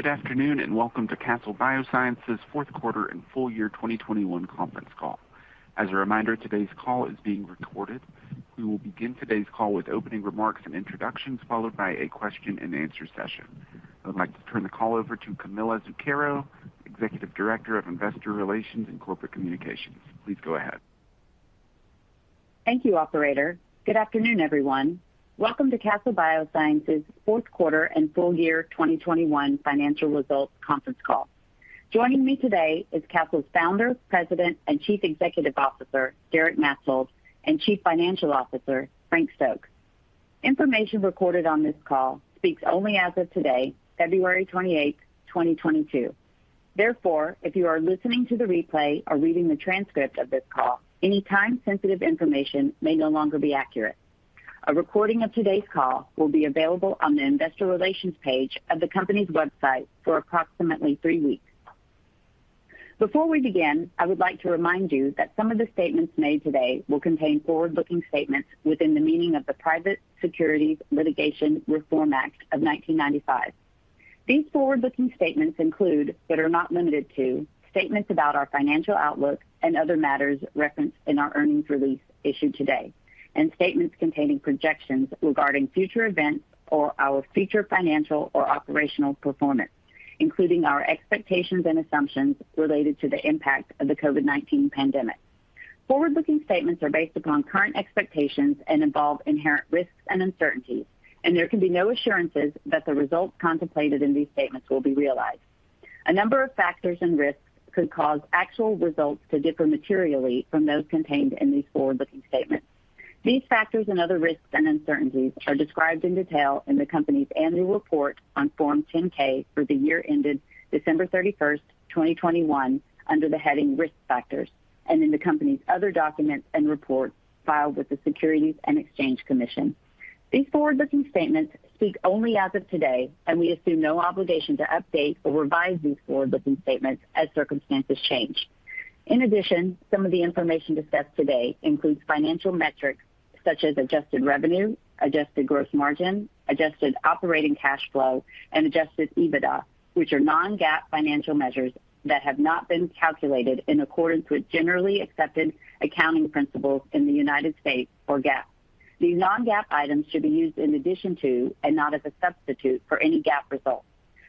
Good afternoon, and welcome to Castle Biosciences fourth quarter and full year 2021 conference call. As a reminder, today's call is being recorded. We will begin today's call with opening remarks and introductions, followed by a question-and-answer session. I would like to turn the call over to Camilla Zuckero, Executive Director of Investor Relations and Corporate Communications. Please go ahead. Thank you, operator. Good afternoon, everyone. Welcome to Castle Biosciences fourth quarter and full year 2021 financial results conference call. Joining me today is Castle's Founder, President, and Chief Executive Officer, Derek Maetzold, and Chief Financial Officer, Frank Stokes. Information recorded on this call speaks only as of today, February 28, 2022. Therefore, if you are listening to the replay or reading the transcript of this call, any time-sensitive information may no longer be accurate. A recording of today's call will be available on the investor relations page of the company's website for approximately three weeks. Before we begin, I would like to remind you that some of the statements made today will contain forward-looking statements within the meaning of the Private Securities Litigation Reform Act of 1995. These forward-looking statements include, but are not limited to, statements about our financial outlook and other matters referenced in our earnings release issued today, and statements containing projections regarding future events or our future financial or operational performance, including our expectations and assumptions related to the impact of the COVID-19 pandemic. Forward-looking statements are based upon current expectations and involve inherent risks and uncertainties, and there can be no assurances that the results contemplated in these statements will be realized. A number of factors and risks could cause actual results to differ materially from those contained in these forward-looking statements. These factors and other risks and uncertainties are described in detail in the company's annual report on Form 10-K for the year ended December 31, 2021, under the heading Risk Factors, and in the company's other documents and reports filed with the Securities and Exchange Commission. These forward-looking statements speak only as of today, and we assume no obligation to update or revise these forward-looking statements as circumstances change. In addition, some of the information discussed today includes financial metrics such as adjusted revenue, adjusted gross margin, adjusted operating cash flow, and adjusted EBITDA, which are non-GAAP financial measures that have not been calculated in accordance with generally accepted accounting principles in the United States, or GAAP. These non-GAAP items should be used in addition to and not as a substitute for any GAAP results.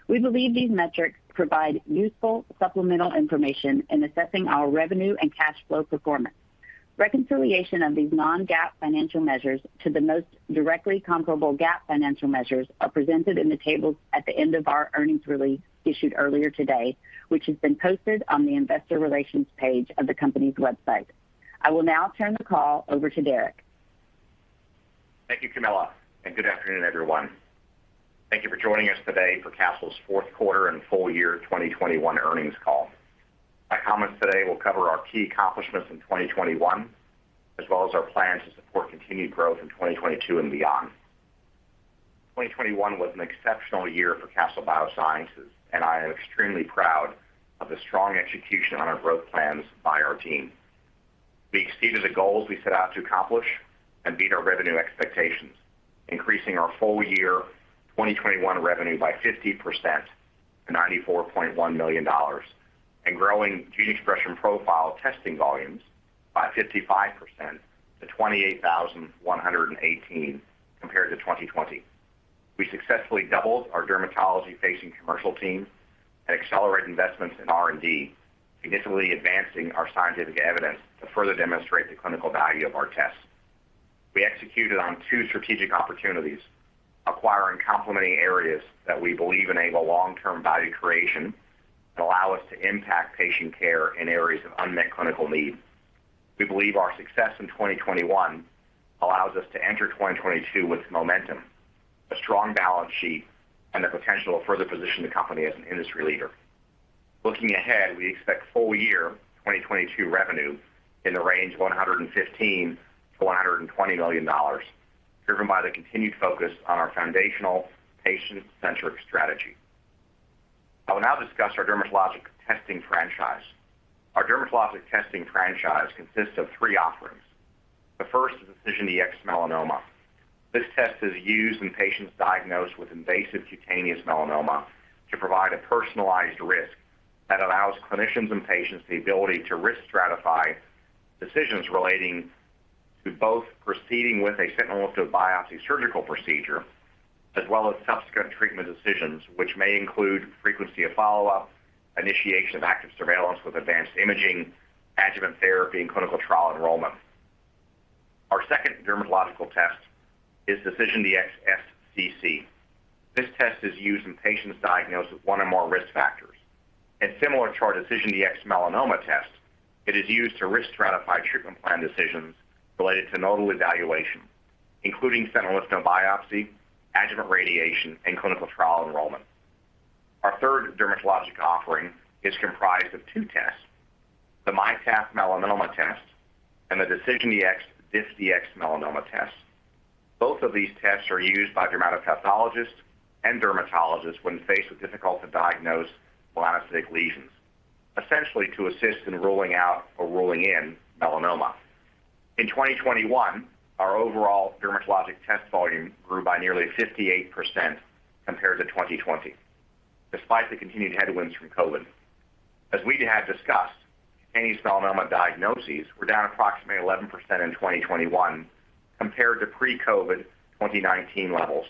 We believe these metrics provide useful supplemental information in assessing our revenue and cash flow performance. Reconciliation of these non-GAAP financial measures to the most directly comparable GAAP financial measures are presented in the tables at the end of our earnings release issued earlier today, which has been posted on the investor relations page of the company's website. I will now turn the call over to Derek. Thank you, Camilla, and good afternoon, everyone. Thank you for joining us today for Castle's fourth quarter and full year 2021 earnings call. My comments today will cover our key accomplishments in 2021, as well as our plans to support continued growth in 2022 and beyond. 2021 was an exceptional year for Castle Biosciences, and I am extremely proud of the strong execution on our growth plans by our team. We exceeded the goals we set out to accomplish and beat our revenue expectations, increasing our full year 2021 revenue by 50% to $94.1 million and growing gene expression profile testing volumes by 55% to 28,118 compared to 2020. We successfully doubled our dermatology-facing commercial team and accelerated investments in R&D, significantly advancing our scientific evidence to further demonstrate the clinical value of our tests. We executed on two strategic opportunities, acquiring complementary areas that we believe enable long-term value creation and allow us to impact patient care in areas of unmet clinical need. We believe our success in 2021 allows us to enter 2022 with momentum, a strong balance sheet, and the potential to further position the company as an industry leader. Looking ahead, we expect full year 2022 revenue in the range of $115 million-$120 million, driven by the continued focus on our foundational patient-centric strategy. I will now discuss our dermatologic testing franchise. Our dermatologic testing franchise consists of three offerings. The first is DecisionDx-Melanoma. This test is used in patients diagnosed with invasive cutaneous melanoma to provide a personalized risk that allows clinicians and patients the ability to risk stratify decisions relating to both proceeding with a sentinel lymph node biopsy surgical procedure, as well as subsequent treatment decisions, which may include frequency of follow-up, initiation of active surveillance with advanced imaging, adjuvant therapy, and clinical trial enrollment. Our second dermatological test is DecisionDx-SCC. This test is used in patients diagnosed with one or more risk factors. Similar to our DecisionDx-Melanoma test, it is used to risk stratify treatment plan decisions related to nodal evaluation, including sentinel lymph node biopsy, adjuvant radiation, and clinical trial enrollment. Our third dermatologic offering is comprised of two tests: the MyPath Melanoma test and the DecisionDx DiffDx-Melanoma test. Both of these tests are used by dermatopathologists and dermatologists when faced with difficult-to-diagnose melanocytic lesions, essentially to assist in ruling out or ruling in melanoma. In 2021, our overall dermatologic test volume grew by nearly 58% compared to 2020, despite the continued headwinds from COVID. As we have discussed, annual melanoma diagnoses were down approximately 11% in 2021 compared to pre-COVID 2019 levels.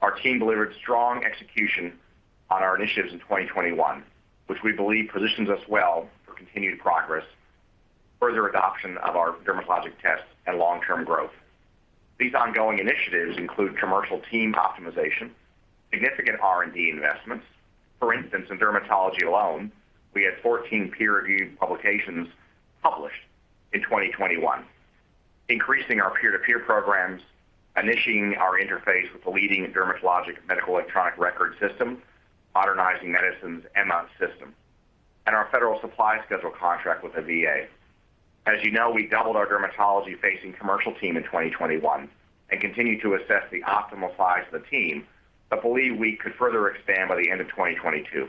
Our team delivered strong execution on our initiatives in 2021, which we believe positions us well for continued progress, further adoption of our dermatologic tests and long-term growth. These ongoing initiatives include commercial team optimization, significant R&D investments. For instance, in dermatology alone, we had 14 peer-reviewed publications published in 2021, increasing our peer-to-peer programs, initiating our interface with the leading dermatologic medical electronic record system, Modernizing Medicine's EMA system, and our federal supply schedule contract with the VA. As you know, we doubled our dermatology-facing commercial team in 2021 and continue to assess the optimal size of the team, but believe we could further expand by the end of 2022.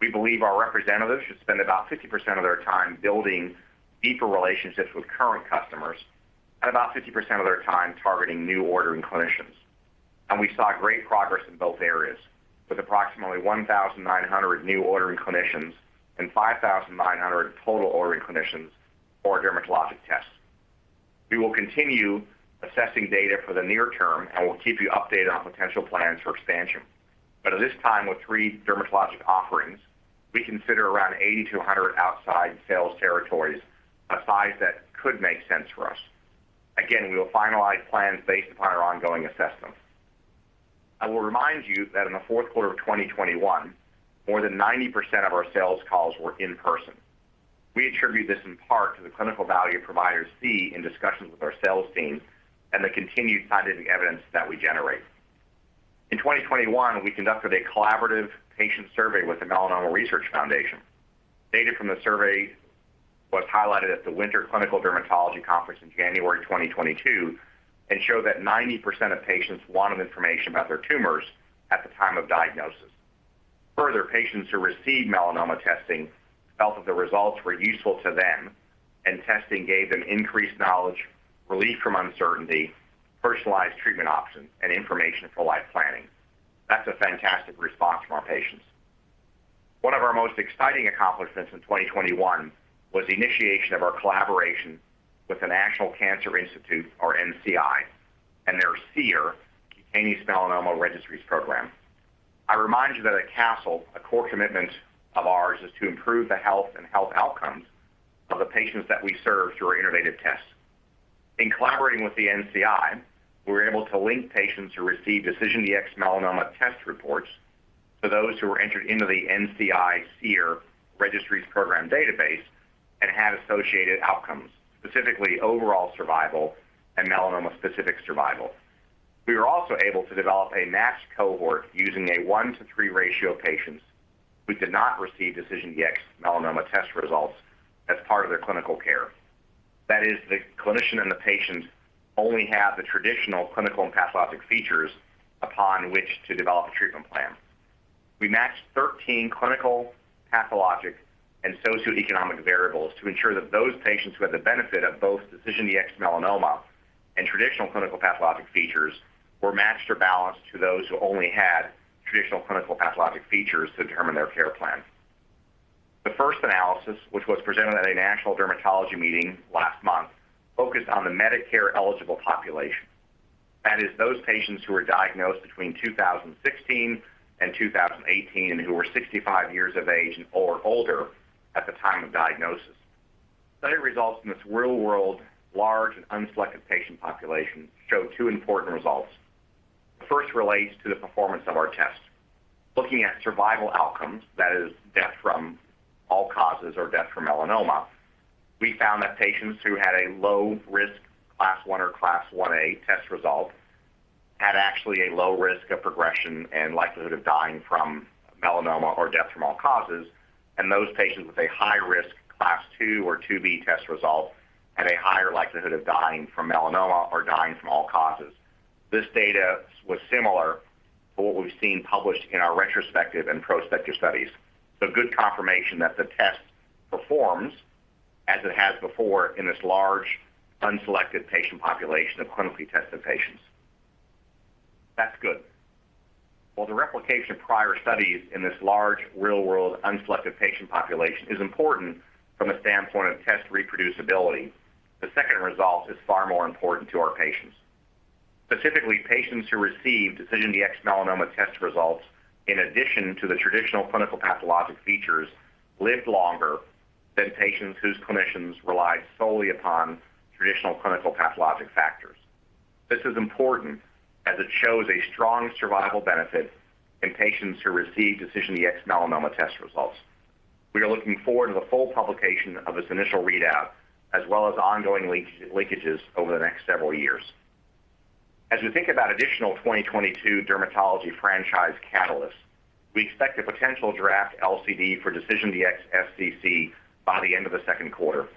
We believe our representatives should spend about 50% of their time building deeper relationships with current customers and about 50% of their time targeting new ordering clinicians. We saw great progress in both areas with approximately 1,900 new ordering clinicians and 5,900 total ordering clinicians for our dermatologic tests. We will continue assessing data for the near term, and we'll keep you updated on potential plans for expansion. At this time, with three dermatologic offerings, we consider around 80-100 outside sales territories a size that could make sense for us. Again, we will finalize plans based upon our ongoing assessment. I will remind you that in the fourth quarter of 2021, more than 90% of our sales calls were in person. We attribute this in part to the clinical value providers see in discussions with our sales team and the continued scientific evidence that we generate. In 2021, we conducted a collaborative patient survey with the Melanoma Research Foundation. Data from the survey was highlighted at the Winter Clinical Dermatology Conference in January 2022 and showed that 90% of patients wanted information about their tumors at the time of diagnosis. Further, patients who received melanoma testing felt that the results were useful to them and testing gave them increased knowledge, relief from uncertainty, personalized treatment options, and information for life planning. That's a fantastic response from our patients. One of our most exciting accomplishments in 2021 was the initiation of our collaboration with the National Cancer Institute, or NCI, and their SEER Cutaneous Melanoma Registries Program. I remind you that at Castle, a core commitment of ours is to improve the health and health outcomes of the patients that we serve through our innovative tests. In collaborating with the NCI, we were able to link patients who received DecisionDx-Melanoma test reports to those who were entered into the NCI SEER Registries Program database and had associated outcomes, specifically overall survival and melanoma-specific survival. We were also able to develop a matched cohort using a 1-to-3 ratio of patients who did not receive DecisionDx-Melanoma test results as part of their clinical care. That is, the clinician and the patient only have the traditional clinical and pathologic features upon which to develop a treatment plan. We matched 13 clinical, pathologic, and socioeconomic variables to ensure that those patients who had the benefit of both DecisionDx-Melanoma and traditional clinical pathologic features were matched or balanced to those who only had traditional clinical pathologic features to determine their care plan. The first analysis, which was presented at a national dermatology meeting last month, focused on the Medicare-eligible population. That is, those patients who were diagnosed between 2016 and 2018 and who were 65 years of age or older at the time of diagnosis. Study results in this real-world, large, and unselected patient population show two important results. The first relates to the performance of our tests. Looking at survival outcomes, that is, death from all causes or death from melanoma, we found that patients who had a low-risk Class 1 or Class 1A test result had actually a low risk of progression and likelihood of dying from melanoma or death from all causes, and those patients with a high-risk Class 2 or 2B test result had a higher likelihood of dying from melanoma or dying from all causes. This data was similar to what we've seen published in our retrospective and prospective studies. Good confirmation that the test performs as it has before in this large, unselected patient population of clinically tested patients. That's good. While the replication of prior studies in this large, real-world, unselected patient population is important from the standpoint of test reproducibility, the second result is far more important to our patients. Specifically, patients who received DecisionDx-Melanoma test results in addition to the traditional clinical pathologic features lived longer than patients whose clinicians relied solely upon traditional clinical pathologic factors. This is important as it shows a strong survival benefit in patients who receive DecisionDx-Melanoma test results. We are looking forward to the full publication of this initial readout as well as ongoing linkages over the next several years. As we think about additional 2022 dermatology franchise catalysts, we expect a potential draft LCD for DecisionDx-SCC by the end of the second quarter.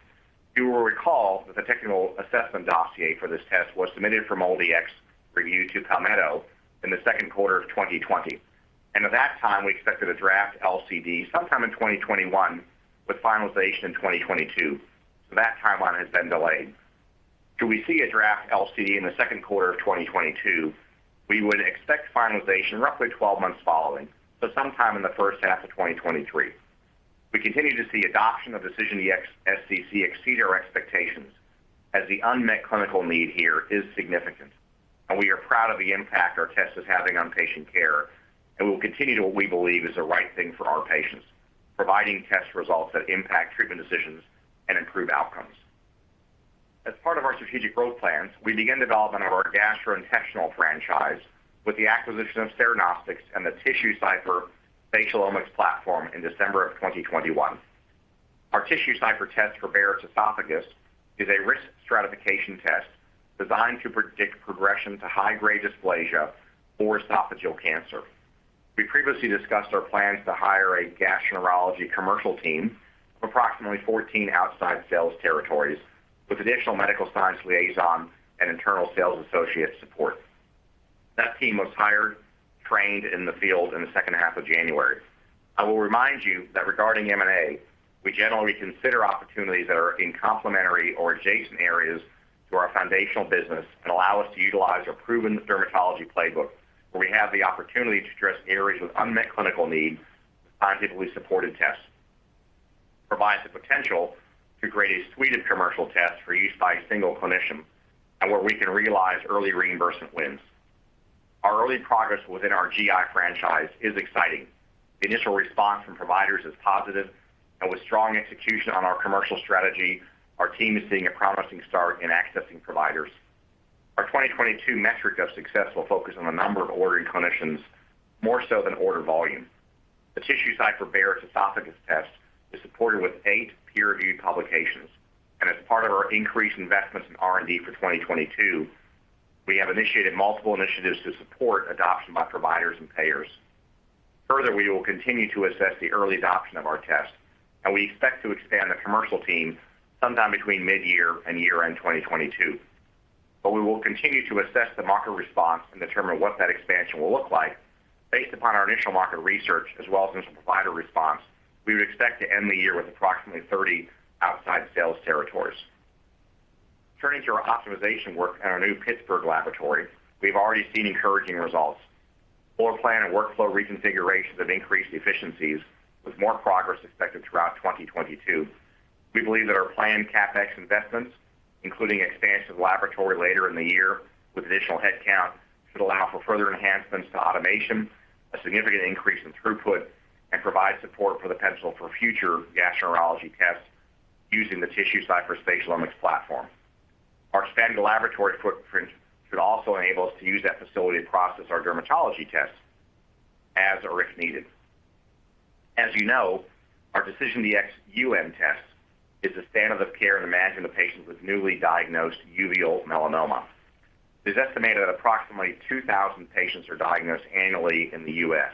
You will recall that the technical assessment dossier for this test was submitted for MolDX review to Palmetto in the second quarter of 2020. At that time, we expected a draft LCD sometime in 2021 with finalization in 2022. That timeline has been delayed. Should we see a draft LCD in the second quarter of 2022, we would expect finalization roughly 12 months following, so sometime in the first half of 2023. We continue to see adoption of DecisionDx-SCC exceed our expectations as the unmet clinical need here is significant. We are proud of the impact our test is having on patient care, and we'll continue to what we believe is the right thing for our patients, providing test results that impact treatment decisions and improve outcomes. As part of our strategic growth plans, we began development of our gastrointestinal franchise with the acquisition of Cernostics and the TissueCypher spatial omics platform in December of 2021. Our TissueCypher test for Barrett's Esophagus is a risk stratification test designed to predict progression to high-grade dysplasia or esophageal cancer. We previously discussed our plans to hire a gastroenterology commercial team of approximately 14 outside sales territories with additional medical science liaison and internal sales associate support. That team was hired, trained in the field in the second half of January. I will remind you that regarding M&A, we generally consider opportunities that are in complementary or adjacent areas to our foundational business and allow us to utilize our proven dermatology playbook, where we have the opportunity to address areas with unmet clinical needs, positively supported tests, provides the potential to create a suite of commercial tests for use by a single clinician, and where we can realize early reimbursement wins. Our early progress within our GI franchise is exciting. The initial response from providers is positive, and with strong execution on our commercial strategy, our team is seeing a promising start in accessing providers. Our 2022 metric of success will focus on the number of ordering clinicians more so than order volume. The TissueCypher Barrett's Esophagus test is supported with eight peer-reviewed publications, and as part of our increased investments in R&D for 2022, we have initiated multiple initiatives to support adoption by providers and payers. Further, we will continue to assess the early adoption of our test, and we expect to expand the commercial team sometime between mid-year and year-end 2022. We will continue to assess the market response and determine what that expansion will look like based upon our initial market research as well as initial provider response. We would expect to end the year with approximately 30 outside sales territories. Turning to our optimization work at our new Pittsburgh laboratory, we've already seen encouraging results. Floor plan and workflow reconfigurations have increased efficiencies with more progress expected throughout 2022. We believe that our planned CapEx investments, including expansion of the laboratory later in the year with additional headcount, should allow for further enhancements to automation, a significant increase in throughput, and provide support for the potential for future gastroenterology tests using the TissueCypher spatial omics platform. Our expanded laboratory footprint should also enable us to use that facility to process our dermatology tests as or if needed. As you know, our DecisionDx-UM test is the standard of care in managing a patient with newly diagnosed uveal melanoma. It is estimated that approximately 2,000 patients are diagnosed annually in the U.S.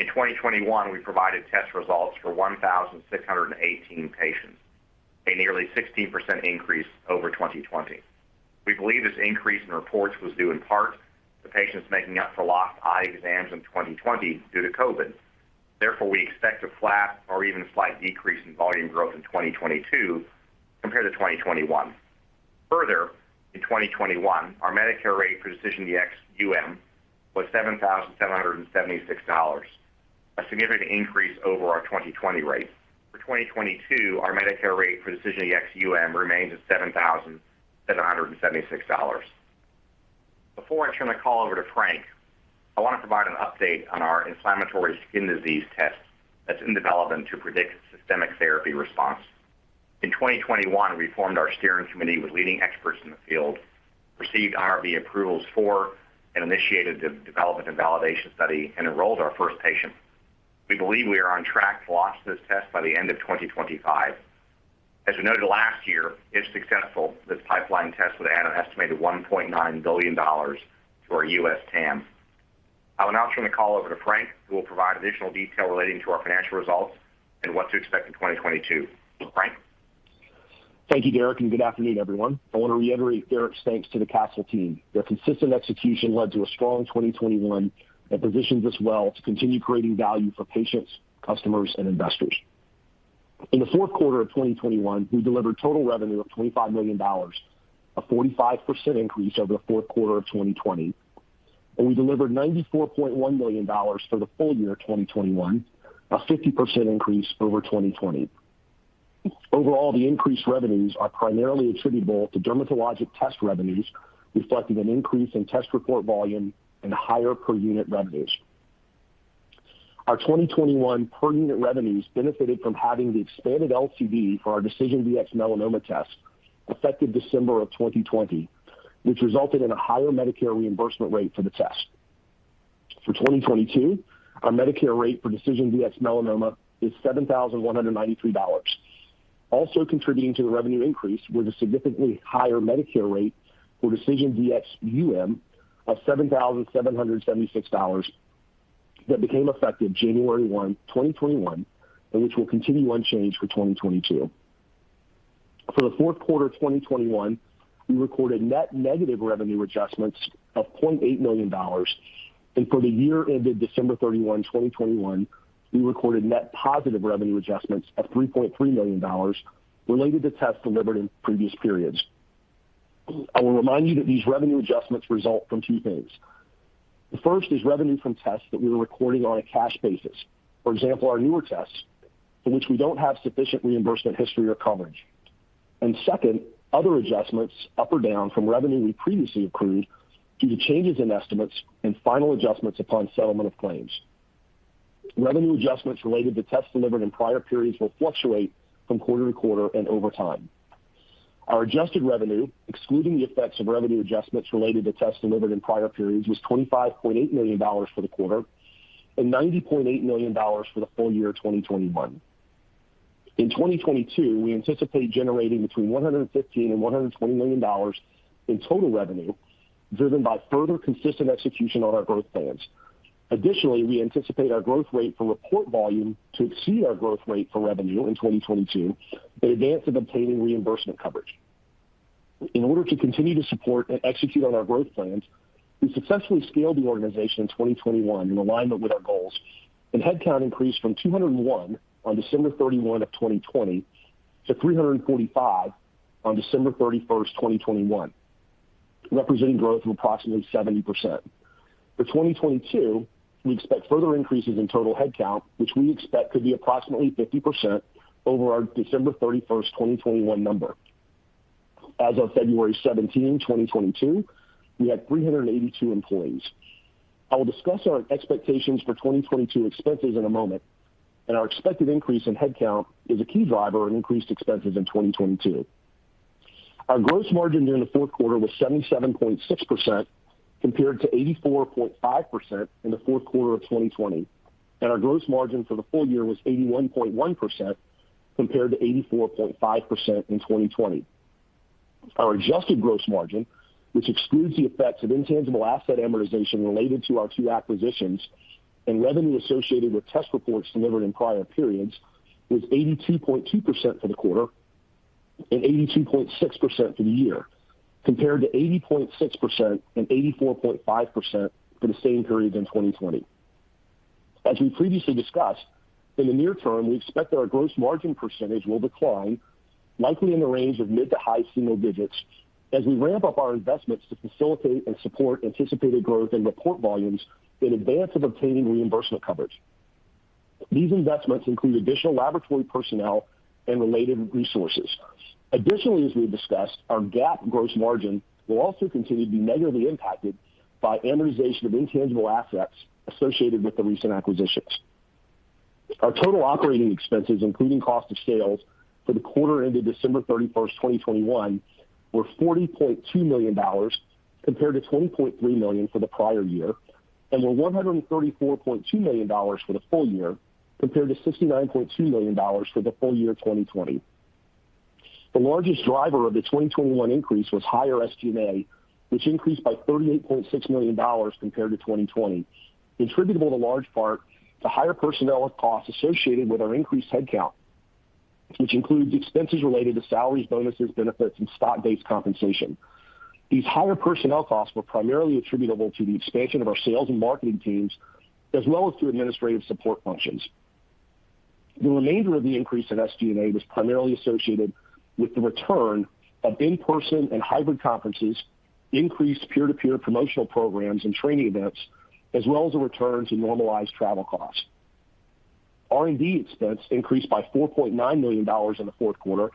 In 2021, we provided test results for 1,618 patients, a nearly 16% increase over 2020. We believe this increase in reports was due in part to patients making up for lost eye exams in 2020 due to COVID. Therefore, we expect a flat or even slight decrease in volume growth in 2022 compared to 2021. Further, in 2021, our Medicare rate for DecisionDx-UM was $7,776, a significant increase over our 2020 rate. For 2022, our Medicare rate for DecisionDx-UM remains at $7,776. Before I turn the call over to Frank, I want to provide an update on our inflammatory skin disease test that's in development to predict systemic therapy response. In 2021, we formed our steering committee with leading experts in the field, received IRB approvals for and initiated the development and validation study, and enrolled our first patient. We believe we are on track to launch this test by the end of 2025. As we noted last year, if successful, this pipeline test would add an estimated $1.9 billion to our U.S. TAM. I will now turn the call over to Frank, who will provide additional detail relating to our financial results and what to expect in 2022. Frank? Thank you, Derek, and good afternoon, everyone. I want to reiterate Derek's thanks to the Castle team. Their consistent execution led to a strong 2021 that positions us well to continue creating value for patients, customers, and investors. In the fourth quarter of 2021, we delivered total revenue of $25 million, a 45% increase over the fourth quarter of 2020. We delivered $94.1 million for the full year 2021, a 50% increase over 2020. Overall, the increased revenues are primarily attributable to dermatologic test revenues, reflecting an increase in test report volume and higher per-unit revenues. Our 2021 per-unit revenues benefited from having the expanded LCD for our DecisionDx-Melanoma test effective December of 2020, which resulted in a higher Medicare reimbursement rate for the test. For 2022, our Medicare rate for DecisionDx-Melanoma is $7,193. Also contributing to the revenue increase were the significantly higher Medicare rate for DecisionDx-UM of $7,776 that became effective January 1, 2021, and which will continue unchanged for 2022. For the fourth quarter 2021, we recorded net negative revenue adjustments of $0.8 million. For the year ended December 31, 2021, we recorded net positive revenue adjustments of $3.3 million related to tests delivered in previous periods. I will remind you that these revenue adjustments result from two things. The first is revenue from tests that we were recording on a cash basis. For example, our newer tests for which we don't have sufficient reimbursement history or coverage. Second, other adjustments up or down from revenue we previously accrued due to changes in estimates and final adjustments upon settlement of claims. Revenue adjustments related to tests delivered in prior periods will fluctuate from quarter to quarter and over time. Our adjusted revenue, excluding the effects of revenue adjustments related to tests delivered in prior periods, was $25.8 million for the quarter and $90.8 million for the full year 2021. In 2022, we anticipate generating between $115 million and $120 million in total revenue, driven by further consistent execution on our growth plans. Additionally, we anticipate our growth rate for report volume to exceed our growth rate for revenue in 2022 in advance of obtaining reimbursement coverage. In order to continue to support and execute on our growth plans, we successfully scaled the organization in 2021 in alignment with our goals, and headcount increased from 201 on December 31 of 2020 to 345 on December 31, 2021, representing growth of approximately 70%. For 2022, we expect further increases in total headcount, which we expect to be approximately 50% over our December 31, 2021 number. As of February 17, 2022, we had 382 employees. I will discuss our expectations for 2022 expenses in a moment, and our expected increase in headcount is a key driver of increased expenses in 2022. Our gross margin during the fourth quarter was 77.6% compared to 84.5% in the fourth quarter of 2020. Our gross margin for the full year was 81.1% compared to 84.5% in 2020. Our adjusted gross margin, which excludes the effects of intangible asset amortization related to our two acquisitions and revenue associated with test reports delivered in prior periods, was 82.2% for the quarter and 82.6% for the year, compared to 80.6% and 84.5% for the same periods in 2020. As we previously discussed, in the near term, we expect that our gross margin percentage will decline likely in the range of mid to high single digits as we ramp up our investments to facilitate and support anticipated growth in report volumes in advance of obtaining reimbursement coverage. These investments include additional laboratory personnel and related resources. Additionally, as we discussed, our GAAP gross margin will also continue to be negatively impacted by amortization of intangible assets associated with the recent acquisitions. Our total operating expenses, including cost of sales for the quarter ended December 31, 2021, were $40.2 million compared to $20.3 million for the prior year, and were $134.2 million for the full year compared to $69.2 million for the full year 2020. The largest driver of the 2021 increase was higher SG&A, which increased by $38.6 million compared to 2020, attributable in large part to higher personnel costs associated with our increased headcount, which includes expenses related to salaries, bonuses, benefits, and stock-based compensation. These higher personnel costs were primarily attributable to the expansion of our sales and marketing teams as well as through administrative support functions. The remainder of the increase in SG&A was primarily associated with the return of in-person and hybrid conferences, increased peer-to-peer promotional programs and training events, as well as the return to normalized travel costs. R&D expense increased by $4.9 million in the fourth quarter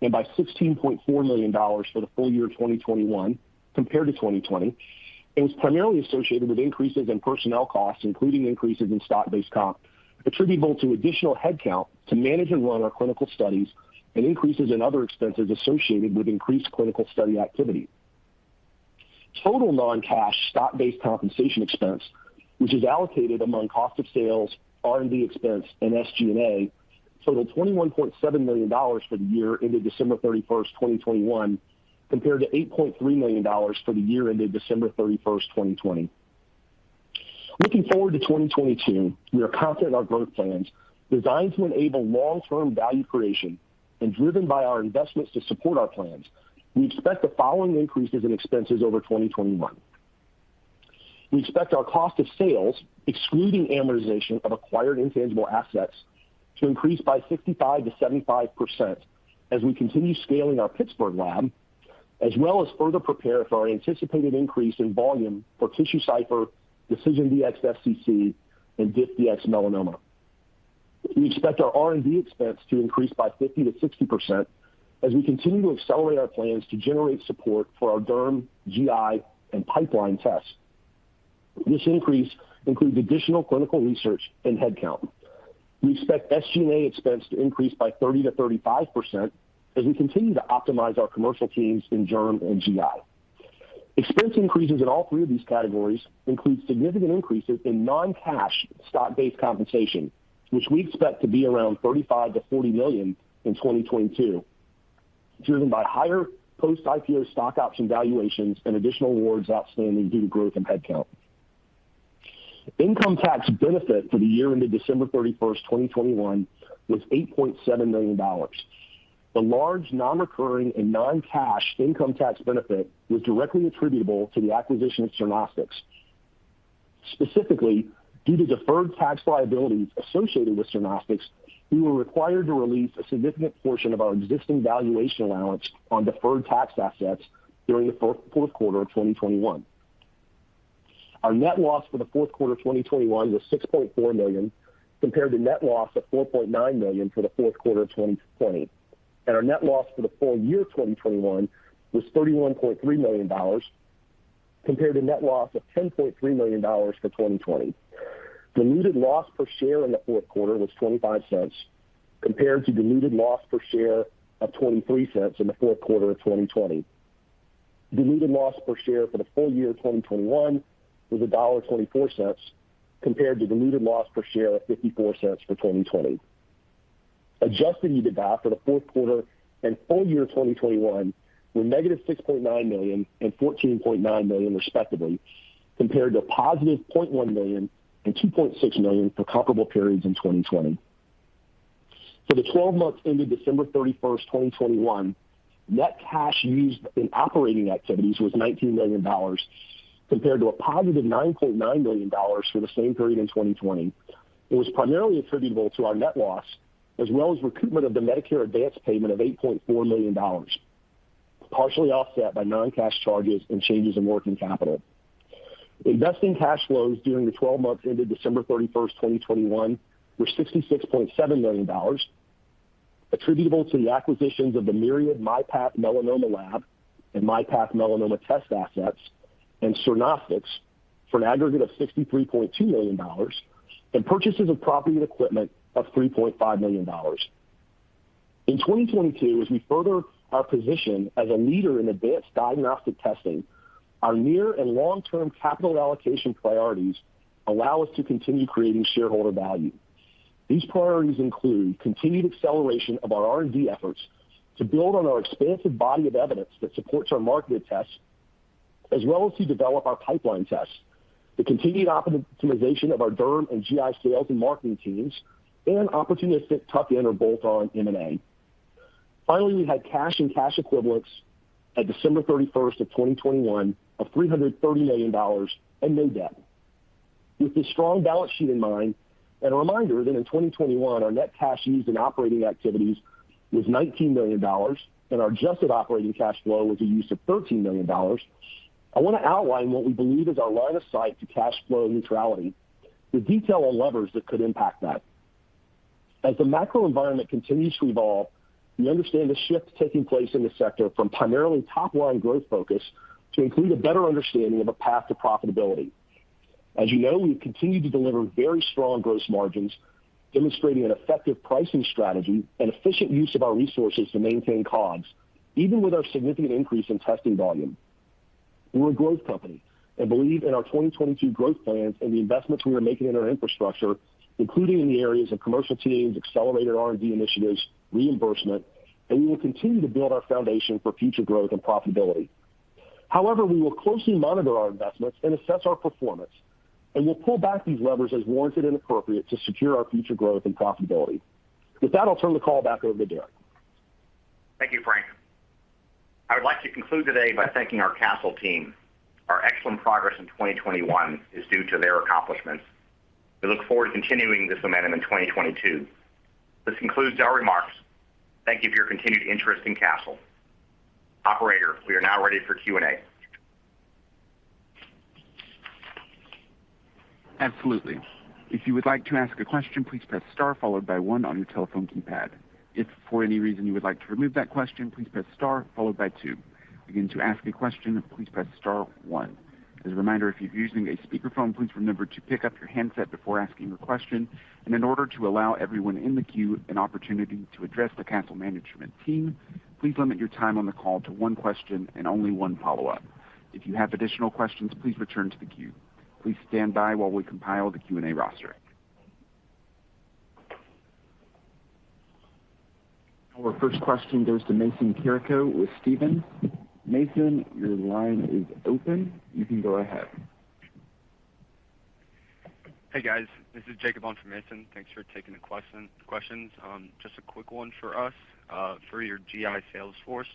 and by $16.4 million for the full year 2021 compared to 2020, and was primarily associated with increases in personnel costs, including increases in stock-based comp attributable to additional headcount to manage and run our clinical studies and increases in other expenses associated with increased clinical study activity. Total non-cash stock-based compensation expense, which is allocated among cost of sales, R&D expense, and SG&A, totaled $21.7 million for the year ended December 31, 2021, compared to $8.3 million for the year ended December 31, 2020. Looking forward to 2022, we are confident our growth plans, designed to enable long-term value creation and driven by our investments to support our plans. We expect the following increases in expenses over 2021. We expect our cost of sales, excluding amortization of acquired intangible assets, to increase by 65%-75% as we continue scaling our Pittsburgh lab, as well as further prepare for our anticipated increase in volume for TissueCypher, DecisionDx-SCC, and DecisionDx-Melanoma. We expect our R&D expense to increase by 50%-60% as we continue to accelerate our plans to generate support for our Derm, GI, and pipeline tests. This increase includes additional clinical research and headcount. We expect SG&A expense to increase by 30%-35% as we continue to optimize our commercial teams in Derm and GI. Expense increases in all three of these categories includes significant increases in non-cash stock-based compensation, which we expect to be around $35 million-$40 million in 2022, driven by higher post-IPO stock option valuations and additional awards outstanding due to growth in headcount. Income tax benefit for the year ended December 31, 2021 was $8.7 million. The large non-recurring and non-cash income tax benefit was directly attributable to the acquisition of Cernostics. Specifically, due to deferred tax liabilities associated with Cernostics, we were required to release a significant portion of our existing valuation allowance on deferred tax assets during the fourth quarter of 2021. Our net loss for the fourth quarter of 2021 was $6.4 million, compared to net loss of $4.9 million for the fourth quarter of 2020. Our net loss for the full year 2021 was $31.3 million, compared to net loss of $10.3 million for 2020. Diluted loss per share in the fourth quarter was $0.25, compared to diluted loss per share of $0.23 in the fourth quarter of 2020. Diluted loss per share for the full year of 2021 was $1.24, compared to diluted loss per share of $0.54 for 2020. Adjusted EBITDA for the fourth quarter and full year of 2021 were -$6.9 million and -$14.9 million respectively, compared to $0.1 million and $2.6 million for comparable periods in 2020. For the twelve months ended December 31, 2021, net cash used in operating activities was $19 million, compared to $9.9 million for the same period in 2020. It was primarily attributable to our net loss, as well as recoupment of the Medicare advanced payment of $8.4 million, partially offset by non-cash charges and changes in working capital. Investing cash flows during the 12 months ended December 31, 2021 were $66.7 million, attributable to the acquisitions of the Myriad MyPath Melanoma lab and MyPath Melanoma test assets and Cernostics for an aggregate of $63.2 million and purchases of property and equipment of $3.5 million. In 2022, as we further our position as a leader in advanced diagnostic testing, our near- and long-term capital allocation priorities allow us to continue creating shareholder value. These priorities include continued acceleration of our R&D efforts to build on our expansive body of evidence that supports our marketed tests, as well as to develop our pipeline tests, the continued optimization of our Derm and GI sales and marketing teams, and opportunistic tuck-in or bolt-on M&A. Finally, we had cash and cash equivalents at December 31, 2021 of $330 million and no debt. With this strong balance sheet in mind, and a reminder that in 2021, our net cash used in operating activities was $19 million and our adjusted operating cash flow was a use of $13 million, I wanna outline what we believe is our line of sight to cash flow neutrality with detail on levers that could impact that. As the macro environment continues to evolve, we understand the shift taking place in the sector from primarily top-line growth focus to include a better understanding of a path to profitability. As you know, we've continued to deliver very strong gross margins, demonstrating an effective pricing strategy and efficient use of our resources to maintain COGS, even with our significant increase in testing volume. We're a growth company and believe in our 2022 growth plans and the investments we are making in our infrastructure, including in the areas of commercial teams, accelerated R&D initiatives, reimbursement, and we will continue to build our foundation for future growth and profitability. However, we will closely monitor our investments and assess our performance, and we'll pull back these levers as warranted and appropriate to secure our future growth and profitability. With that, I'll turn the call back over to Derek. Thank you, Frank. I would like to conclude today by thanking our Castle team. Our excellent progress in 2021 is due to their accomplishments. We look forward to continuing this momentum in 2022. This concludes our remarks. Thank you for your continued interest in Castle. Operator, we are now ready for Q&A. Absolutely. If you would like to ask a question, please press star followed by one on your telephone keypad. If for any reason you would like to remove that question, please press star followed by two. Again, to ask a question, please press star one. As a reminder, if you're using a speakerphone, please remember to pick up your handset before asking your question. In order to allow everyone in the queue an opportunity to address the Castle management team, please limit your time on the call to one question and only one follow-up. If you have additional questions, please return to the queue. Please stand by while we compile the Q&A roster. Our first question goes to Mason Carrico with Stephens. Mason, your line is open. You can go ahead. Hey, guys. This is Jacob on for Mason. Thanks for taking the question. Just a quick one for us. For your GI sales force,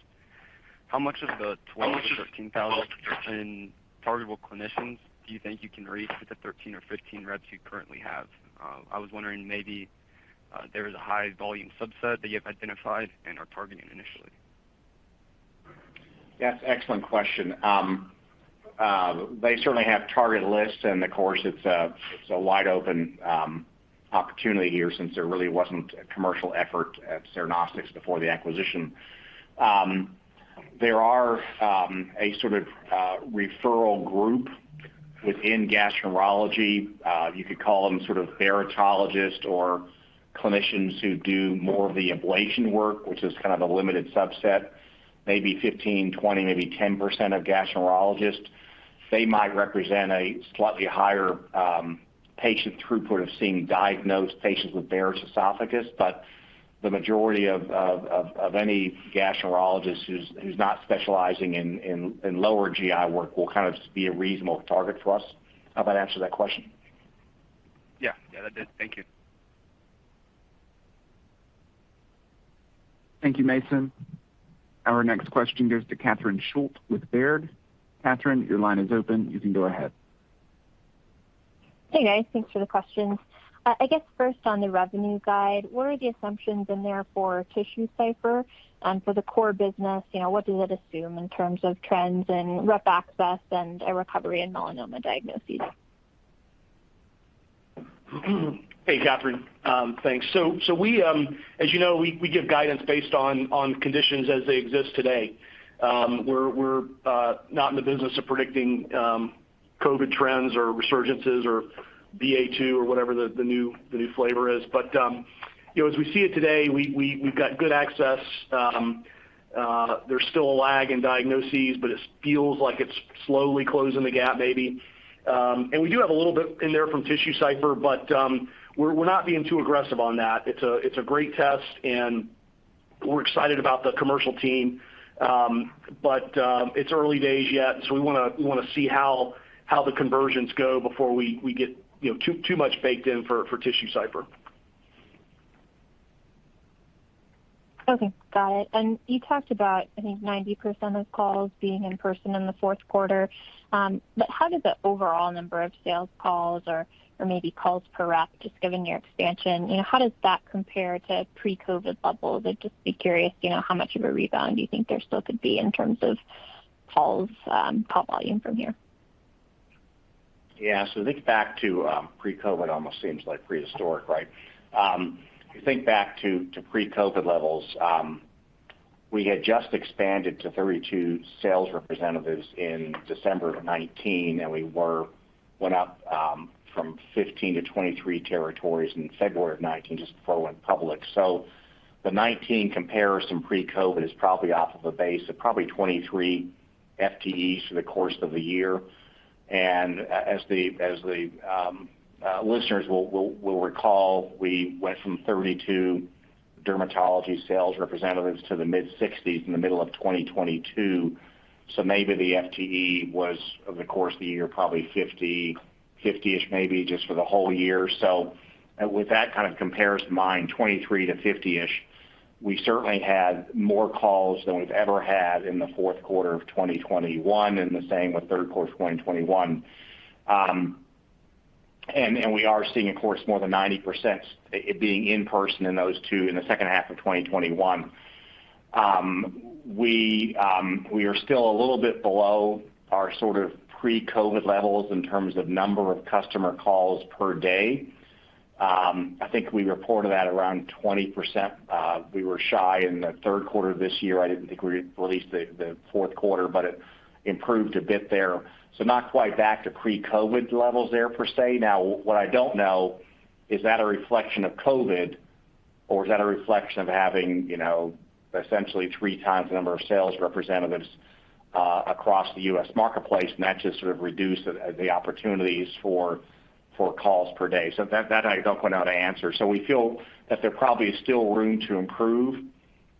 how much of the 12,000-15,000 targetable clinicians do you think you can reach with the 13 or 15 reps you currently have? I was wondering maybe there is a high volume subset that you have identified and are targeting initially. That's an excellent question. They certainly have targeted lists and of course it's a wide-open opportunity here since there really wasn't a commercial effort at Cernostics before the acquisition. There are a sort of referral group within gastroenterology. You could call them sort of Barrettologists or clinicians who do more of the ablation work, which is kind of a limited subset, maybe 15, 20, maybe 10% of gastroenterologists. They might represent a slightly higher patient throughput of seeing diagnosed patients with Barrett's Esophagus. But the majority of any gastroenterologist who's not specializing in lower GI work will kind of just be a reasonable target for us. How about answer that question? Yeah. Yeah, that did. Thank you. Thank you, Mason. Our next question goes to Catherine Schulte with Baird. Catherine, your line is open. You can go ahead. Hey, guys. Thanks for the questions. I guess first on the revenue guide, what are the assumptions in there for TissueCypher? For the core business, you know, what does it assume in terms of trends and rep access and a recovery in melanoma diagnoses? Hey, Katherine. Thanks. We, as you know, give guidance based on conditions as they exist today. We're not in the business of predicting COVID trends or resurgences or BA.2 or whatever the new flavor is. You know, as we see it today, we've got good access. There's still a lag in diagnoses, but it feels like it's slowly closing the gap maybe. We do have a little bit in there from TissueCypher, but we're not being too aggressive on that. It's a great test, and we're excited about the commercial team. It's early days yet, so we wanna see how the conversions go before we get you know too much baked in for TissueCypher. Okay. Got it. You talked about, I think, 90% of calls being in person in the fourth quarter. How did the overall number of sales calls or maybe calls per rep, just given your expansion, you know, how does that compare to pre-COVID levels? I'd just be curious, you know, how much of a rebound do you think there still could be in terms of calls, call volume from here? Yeah. Think back to pre-COVID almost seems like prehistoric, right? Think back to pre-COVID levels. We had just expanded to 32 sales representatives in December of 2019, and went up from 15 to 23 territories in February of 2019, just before we went public. The 2019 comparison pre-COVID is probably off of a base of probably 23 FTEs for the course of the year. As the listeners will recall, we went from 32 dermatology sales representatives to the mid-60s in the middle of 2022. Maybe the FTE was, over the course of the year, probably 50-ish maybe just for the whole year. With that kind of comparison in mind, 23 to 50-ish, we certainly had more calls than we've ever had in the fourth quarter of 2021, and the same with third quarter of 2021. We are seeing of course more than 90% it being in person in those two in the second half of 2021. We are still a little bit below our sort of pre-COVID levels in terms of number of customer calls per day. I think we reported that around 20%, we were shy in the third quarter of this year. I didn't think we released the fourth quarter, but it improved a bit there. Not quite back to pre-COVID levels there per se. Now what I don't know is that a reflection of COVID or is that a reflection of having, you know, essentially three times the number of sales representatives, across the U.S. marketplace and that just sort of reduced the opportunities for calls per day. That I don't quite know the answer. We feel that there probably is still room to improve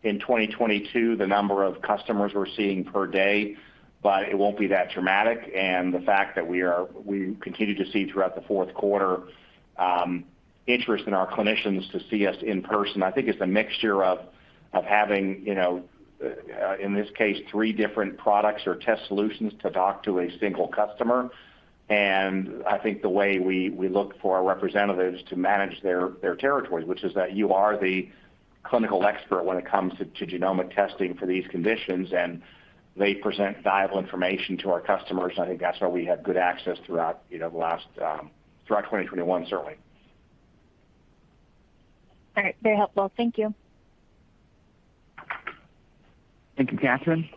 in 2022 the number of customers we're seeing per day, but it won't be that dramatic. The fact that we continue to see throughout the fourth quarter interest in our clinicians to see us in person, I think it's a mixture of having, you know, in this case, three different products or test solutions to talk to a single customer. I think the way we look for our representatives to manage their territories, which is that you are the clinical expert when it comes to genomic testing for these conditions, and they present valuable information to our customers. I think that's why we had good access throughout, you know, the last, throughout 2021 certainly. All right. Very helpful. Thank you. Thank you, Katherine.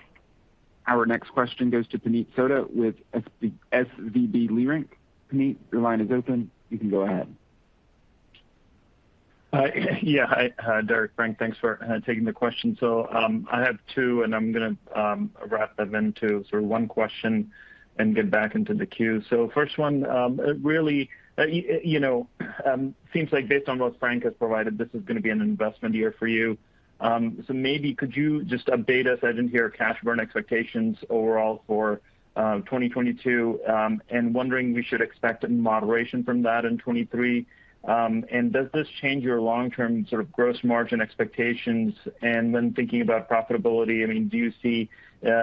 Our next question goes to Puneet Souda with SVB Leerink. Puneet, your line is open. You can go ahead. Yeah. Hi, Derek, Frank, thanks for taking the questions. I have two, and I'm gonna wrap them into sort of one question and get back into the queue. First one, really, you know, seems like based on what Frank has provided, this is gonna be an investment year for you. Maybe could you just update us as in your cash burn expectations overall for 2022, and wondering we should expect a moderation from that in 2023. And does this change your long-term sort of gross margin expectations? And when thinking about profitability, I mean, do you see,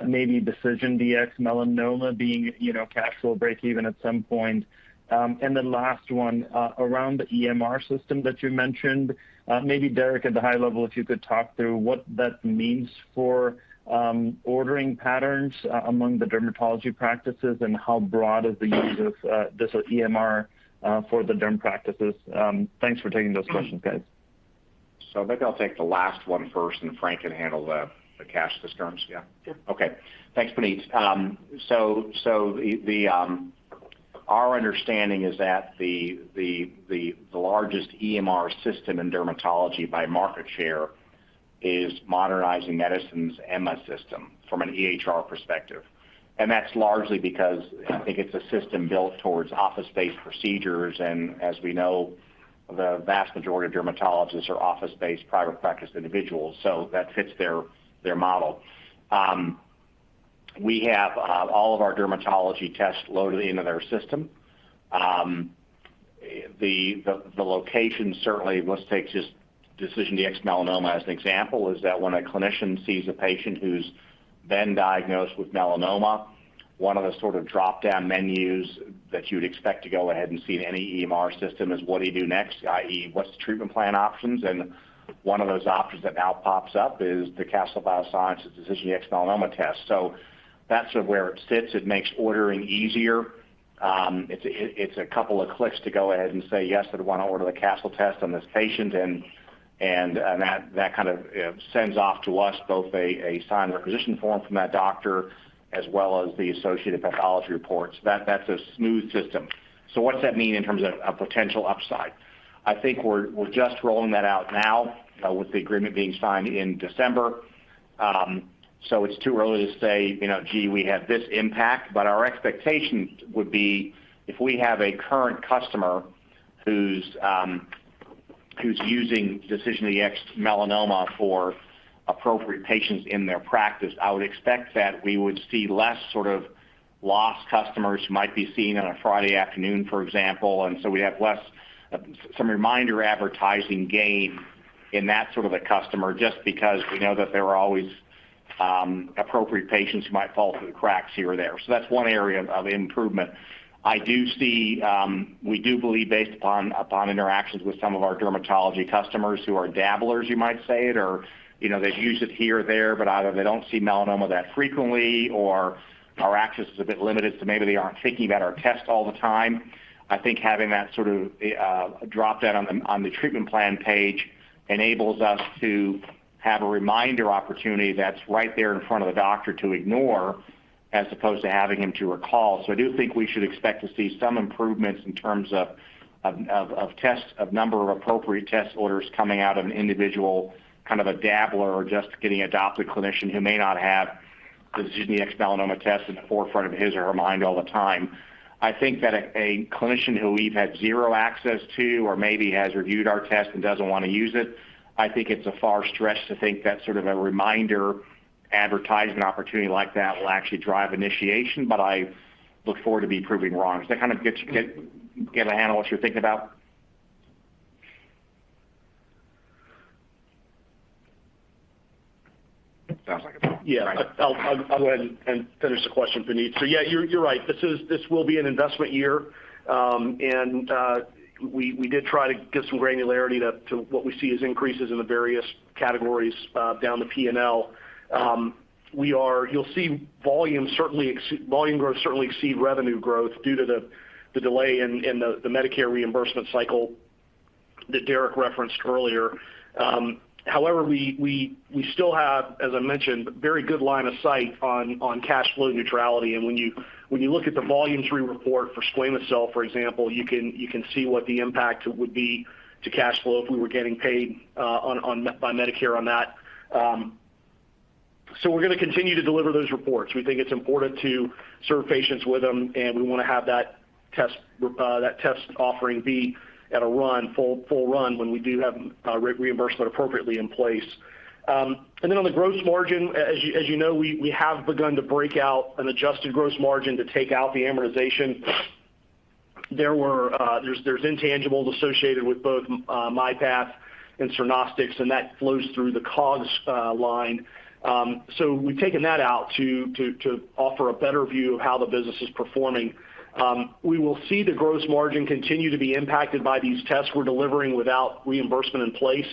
maybe DecisionDx-Melanoma being, you know, cash flow break even at some point? Last one, around the EMR system that you mentioned, maybe Derek at the high level, if you could talk through what that means for ordering patterns among the dermatology practices and how broad is the use of this EMR for the derm practices? Thanks for taking those questions, guys. I think I'll take the last one first, and Frank can handle the cash discussions. Yeah? Yeah. Okay. Thanks, Puneet. Our understanding is that the largest EMR system in dermatology by market share is Modernizing Medicine's EMA system from an EHR perspective. That's largely because I think it's a system built towards office-based procedures. As we know, the vast majority of dermatologists are office-based private practice individuals, so that fits their model. We have all of our dermatology tests loaded into their system. The integration certainly, let's take just DecisionDx-Melanoma as an example, is that when a clinician sees a patient who's been diagnosed with melanoma, one of the sort of dropdown menus that you'd expect to go ahead and see in any EMR system is what do you do next? I.e., what's the treatment plan options? One of those options that now pops up is the Castle Biosciences DecisionDx-Melanoma test. That's sort of where it sits. It makes ordering easier. It's a couple of clicks to go ahead and say, "Yes, I'd wanna order the Castle test on this patient." That kind of sends off to us both a signed requisition form from that doctor as well as the associated pathology reports. That's a smooth system. What's that mean in terms of a potential upside? I think we're just rolling that out now, with the agreement being signed in December. It's too early to say, you know, "Gee, we have this impact." Our expectation would be if we have a current customer who's using DecisionDx-Melanoma for appropriate patients in their practice, I would expect that we would see less sort of lost customers who might be seen on a Friday afternoon, for example. We'd have less some reminder advertising gain in that sort of a customer, just because we know that there are always appropriate patients who might fall through the cracks here or there. That's one area of improvement. I do see we do believe based upon interactions with some of our dermatology customers who are dabblers, you might say it, or, you know, they use it here or there, but either they don't see melanoma that frequently or our access is a bit limited, so maybe they aren't thinking about our test all the time. I think having that sort of dropdown on the treatment plan page enables us to have a reminder opportunity that's right there in front of the doctor to ignore as opposed to having him to recall. I do think we should expect to see some improvements in terms of tests, number of appropriate test orders coming out of an individual, kind of a dabbler or just getting adopted clinician who may not have the DecisionDx-Melanoma test in the forefront of his or her mind all the time. I think that a clinician who we've had zero access to or maybe has reviewed our test and doesn't wanna use it, I think it's a far stretch to think that sort of a reminder advertisement opportunity like that will actually drive initiation. But I look forward to be proven wrong. Does that kind of get you a handle on what you're thinking about? Sounds like it. Yeah. Right. I'll go ahead and finish the question, Puneet. Yeah, you're right. This will be an investment year. We did try to give some granularity to what we see as increases in the various categories down the P&L. You'll see volume growth certainly exceed revenue growth due to the delay in the Medicare reimbursement cycle that Derek referenced earlier. However, we still have, as I mentioned, very good line of sight on cash flow neutrality. When you look at the MolDX report for squamous cell, for example, you can see what the impact would be to cash flow if we were getting paid by Medicare on that. We're gonna continue to deliver those reports. We think it's important to serve patients with them, and we wanna have that test offering be at a full run when we do have reimbursement appropriately in place. On the gross margin, as you know, we have begun to break out an adjusted gross margin to take out the amortization. There's intangibles associated with both MyPath and Cernostics, and that flows through the COGS line. We've taken that out to offer a better view of how the business is performing. We will see the gross margin continue to be impacted by these tests we're delivering without reimbursement in place.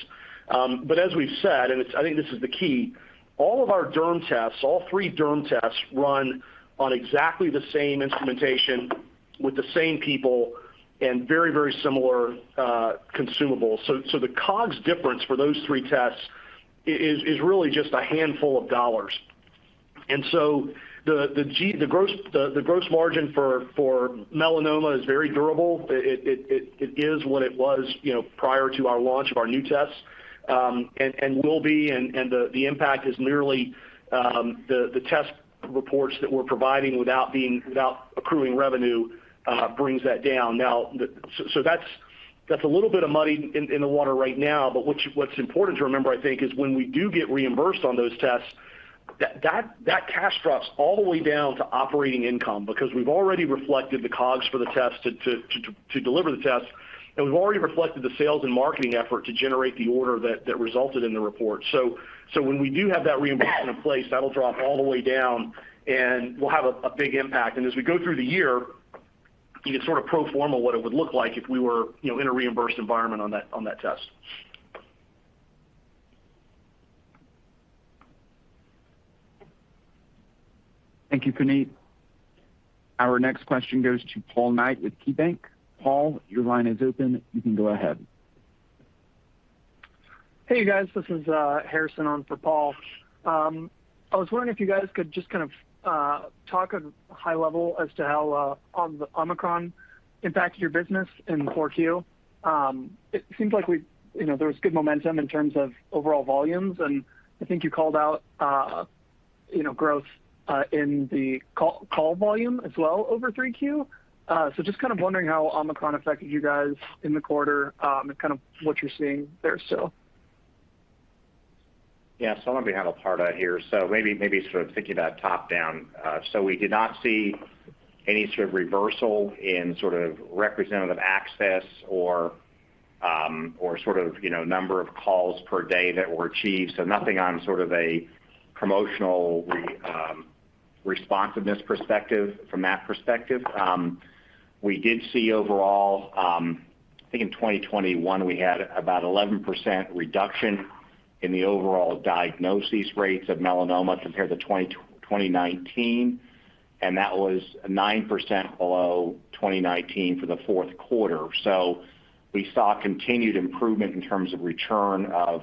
As we've said, I think this is the key. All of our derm tests, all three derm tests run on exactly the same instrumentation with the same people and very, very similar consumables. The COGS difference for those three tests is really just a handful of dollars. The gross margin for melanoma is very durable. It is what it was, you know, prior to our launch of our new tests, and will be. The impact is merely the test reports that we're providing without accruing revenue brings that down. Now, that's a little bit of money in the water right now. What's important to remember, I think, is when we do get reimbursed on those tests, that cash drops all the way down to operating income because we've already reflected the COGS for the test to deliver the test, and we've already reflected the sales and marketing effort to generate the order that resulted in the report. When we do have that reimbursement in place, that'll drop all the way down and will have a big impact. As we go through the year, you can sort of pro forma what it would look like if we were, you know, in a reimbursed environment on that test. Thank you, Puneet. Our next question goes to Paul Knight with KeyBanc. Paul, your line is open. You can go ahead. Hey, guys. This is Harrison on for Paul. I was wondering if you guys could just kind of talk at a high level as to how Omicron impacted your business in 4Q. It seems like, you know, there was good momentum in terms of overall volumes, and I think you called out you know, growth in the call volume as well over 3Q. Just kind of wondering how Omicron affected you guys in the quarter, and kind of what you're seeing there still. Yeah. Why don't we handle part out here? Maybe sort of thinking about top-down. We did not see any sort of reversal in sort of representative access or sort of, you know, number of calls per day that were achieved. Nothing on sort of a promotional responsiveness perspective from that perspective. We did see overall, I think in 2021, we had about 11% reduction in the overall diagnosis rates of melanoma compared to 2019, and that was 9% below 2019 for the fourth quarter. We saw continued improvement in terms of return of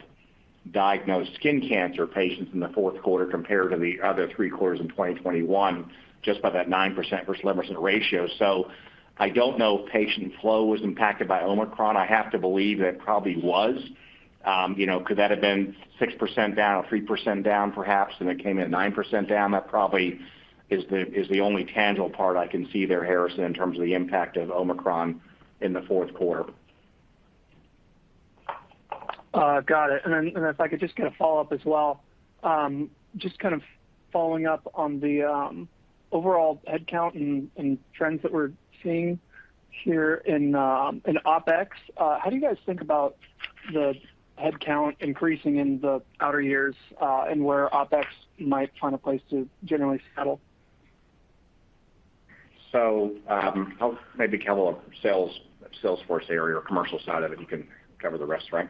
diagnosed skin cancer patients in the fourth quarter compared to the other three quarters in 2021, just by that 9% versus limberson ratio. I don't know if patient flow was impacted by Omicron. I have to believe that it probably was, could that have been 6% down or 3% down perhaps, and it came in at 9% down? That probably is the only tangible part I can see there, Harrison, in terms of the impact of Omicron in the fourth quarter. Got it. If I could just get a follow-up as well. Just kind of following up on the overall headcount and trends that we're seeing here in OpEx. How do you guys think about the headcount increasing in the outer years, and where OpEx might find a place to generally settle? I'll maybe cover sales force area or commercial side of it. You can cover the rest, right?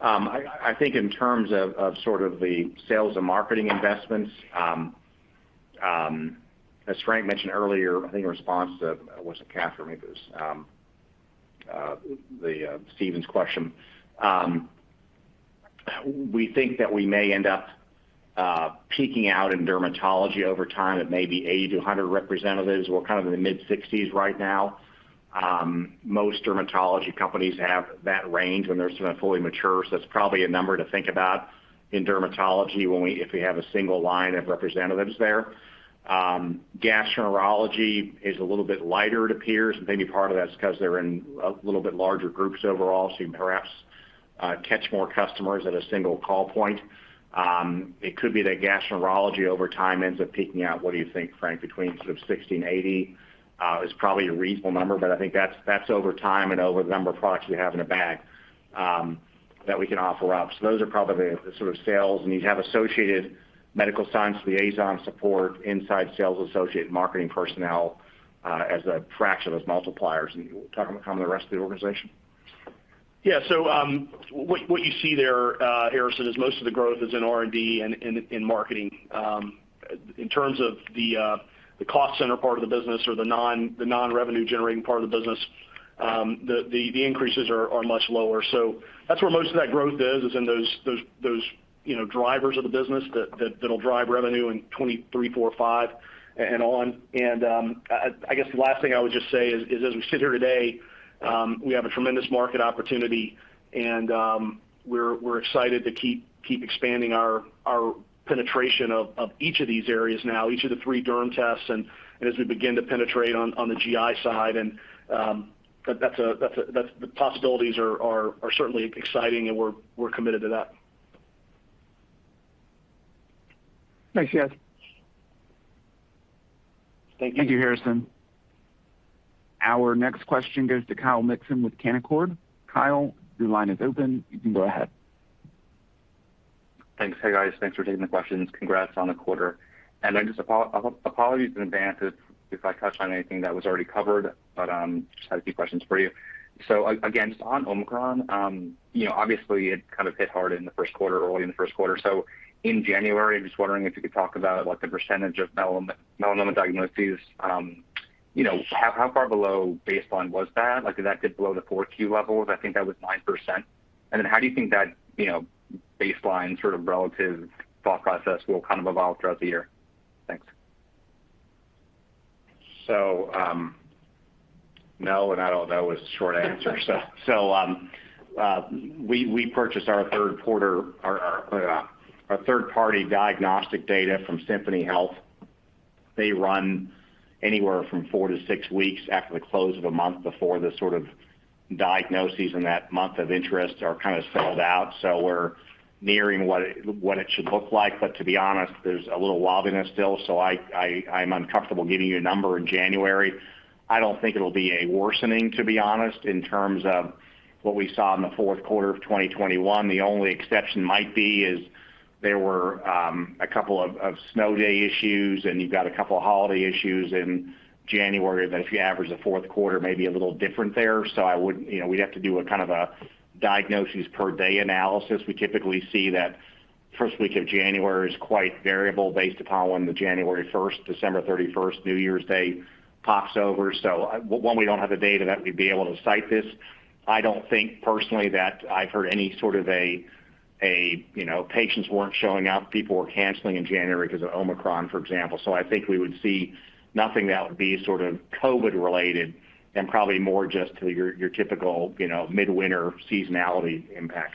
I think in terms of sort of the sales and marketing investments, as Frank mentioned earlier, I think in response to Was it Catherine? It was the Stephens question. We think that we may end up peaking out in dermatology over time at maybe 80-100 representatives. We're kind of in the mid-60s right now. Most dermatology companies have that range when they're sort of fully mature, so that's probably a number to think about in dermatology if we have a single line of representatives there. Gastroenterology is a little bit lighter, it appears, and maybe part of that's because they're in a little bit larger groups overall, so you can perhaps catch more customers at a single call point. It could be that gastroenterology over time ends up peaking out. What do you think, Frank, between sort of 60 and 80 is probably a reasonable number. But I think that's over time and over the number of products we have in a bag that we can offer up. So those are probably the sort of sales. And you have associated medical science liaison support, inside sales associate marketing personnel, as a fraction of those multipliers. And you want to comment on the rest of the organization? Yeah. What you see there, Harrison, is most of the growth in R&D and in marketing. In terms of the cost center part of the business or the non-revenue generating part of the business, the increases are much lower. That's where most of that growth is in those, you know, drivers of the business that'll drive revenue in 2023, 2024, 2025 and on. I guess the last thing I would just say is as we sit here today, we have a tremendous market opportunity and, we're excited to keep expanding our penetration of each of these areas now, each of the three derm tests and as we begin to penetrate on the GI side. That's the possibilities are certainly exciting, and we're committed to that. Thanks, guys. Thank you. Thank you, Harrison. Our next question goes to Kyle Mikson with Canaccord. Kyle, your line is open. You can go ahead. Thanks. Hey, guys. Thanks for taking the questions. Congrats on the quarter. Then just apologies in advance if I touch on anything that was already covered, but just had a few questions for you. Again, just on Omicron, you know, obviously, it kind of hit hard in the first quarter, early in the first quarter. In January, I'm just wondering if you could talk about, like, the percentage of melanoma diagnoses. You know, how far below baseline was that? Like, if that dipped below the Q4 levels, I think that was 9%. Then how do you think that, you know, baseline sort of relative thought process will kind of evolve throughout the year? Thanks. No, and I don't know is the short answer. We purchased our third-party diagnostic data from Symphony Health. They run anywhere from four to six weeks after the close of a month before the sort of diagnoses in that month of interest are kind of settled out. We're nearing what it should look like. To be honest, there's a little wobbliness still. I'm uncomfortable giving you a number in January. I don't think it'll be a worsening, to be honest, in terms of what we saw in the fourth quarter of 2021. The only exception might be there were a couple of snow day issues, and you've got a couple holiday issues in January that if you average the fourth quarter, may be a little different there. I wouldn't. You know, we'd have to do a kind of a diagnoses per day analysis. We typically see that first week of January is quite variable based upon the January first, December thirty-first, New Year's Day pops over. One, we don't have the data that we'd be able to cite this. I don't think personally that I've heard any sort of a, you know, patients weren't showing up, people were canceling in January because of Omicron, for example. I think we would see nothing that would be sort of COVID-19 related and probably more just to your typical, you know, midwinter seasonality impact.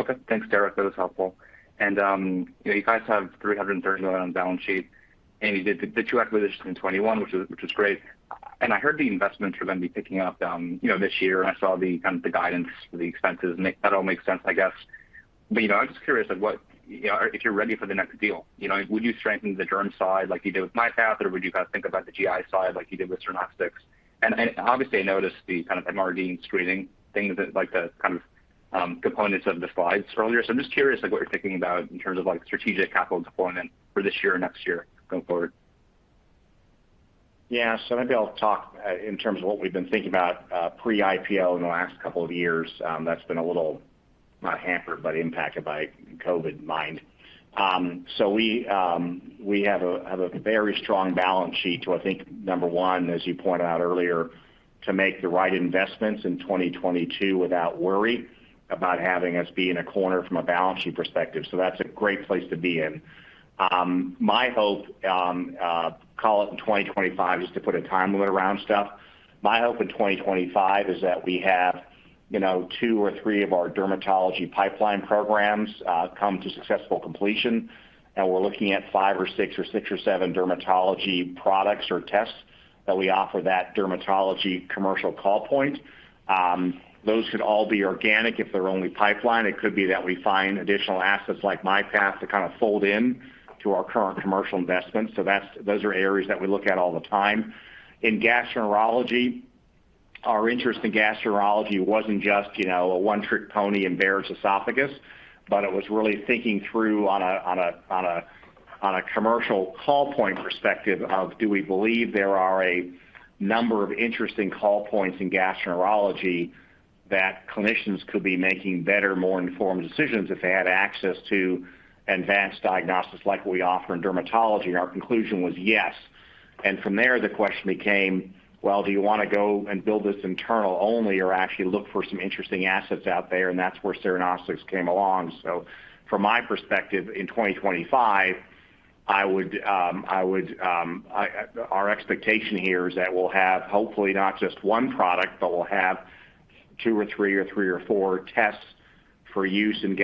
Okay. Thanks, Derek. That was helpful. You know, you guys have $330 million on the balance sheet, and you did the two acquisitions in 2021, which was great. I heard the investments are gonna be picking up, you know, this year, and I saw the guidance for the expenses, and that all makes sense, I guess. You know, I'm just curious of what, you know, if you're ready for the next deal. You know, would you strengthen the derm side like you did with MyPath, or would you guys think about the GI side like you did with Cernostics? Obviously I noticed the kind of MRD and screening things that like the kind of components of the slides earlier. I'm just curious, like what you're thinking about in terms of like strategic capital deployment for this year or next year going forward? Yeah. Maybe I'll talk in terms of what we've been thinking about pre-IPO in the last couple of years. That's been a little, not hampered, but impacted by COVID-19. We have a very strong balance sheet. I think, number one, as you pointed out earlier, to make the right investments in 2022 without worry about having us be in a corner from a balance sheet perspective. That's a great place to be in. My hope, call it in 2025, just to put a time limit around stuff, my hope in 2025 is that we have, you know, two or three of our dermatology pipeline programs come to successful completion, and we're looking at five or six or seven dermatology products or tests that we offer that dermatology commercial call point. Those could all be organic if they're only pipeline. It could be that we find additional assets like MyPath to kind of fold in to our current commercial investments. That's, those are areas that we look at all the time. In gastroenterology, our interest in gastroenterology wasn't just, you know, a one-trick pony in Barrett's Esophagus, but it was really thinking through on a commercial call point perspective of do we believe there are a number of interesting call points in gastroenterology that clinicians could be making better, more informed decisions if they had access to advanced diagnostics like we offer in dermatology, and our conclusion was yes. From there, the question became, well, do you wanna go and build this internal only or actually look for some interesting assets out there? That's where Cernostics came along. From my perspective, in 2025, our expectation here is that we'll have hopefully not just one product, but we'll have two or three or four tests for use in the